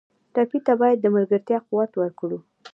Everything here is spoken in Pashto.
ټپي ته باید د ملګرتیا قوت ورکړو.